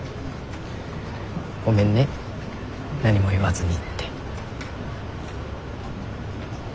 「ごめんね何も言わずに」って。